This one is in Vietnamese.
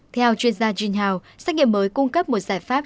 theo chuyên gia junhao xét nghiệm mới cung cấp một giải pháp